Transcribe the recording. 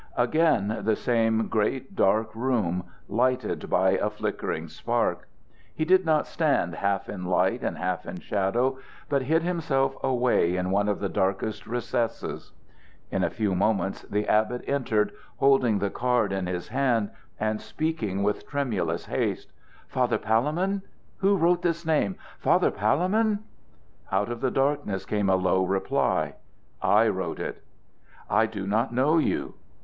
Again the same great dark room, lighted by a flickering spark. He did not stand half in light and half in shadow, but hid himself away in one of the darkest recesses. In a few moments the abbot entered, holding the card in his hand and speaking with tremulous haste: "'Father Palemon?' who wrote this name, 'Father Palemon?'" Out of the darkness came a low reply: "I wrote it." "I do not know you."